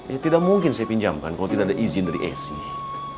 ya tidak mungkin saya pinjamkan kalau tidak ada izin dari asih